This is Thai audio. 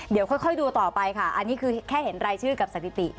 เดี๋ยวค่อยดูต่อไปค่ะอันนี้คือแค่เห็นรายชื่อกับสถิติ